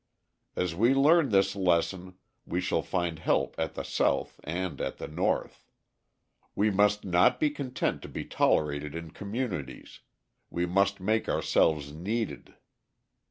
As we learn this lesson we shall find help at the South and at the North. We must not be content to be tolerated in communities, we must make ourselves needed.